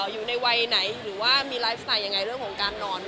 อยู่ในวัยไหนหรือว่ามีไลฟ์สไตล์ยังไงเรื่องของการนอน